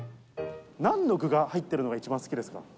なんの具が入っているのが一番好きですか。